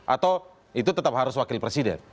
atau itu tetap harus wakil presiden